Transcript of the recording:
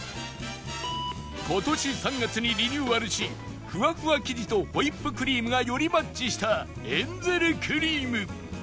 今年３月にリニューアルしふわふわ生地とホイップクリームがよりマッチしたエンゼルクリーム